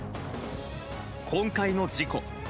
今回の事故。